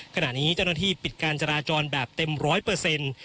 ขณะนี้เจ้าหน้าที่ปิดการจราจรแบบเต็มร้อยเปอร์เซ็นต์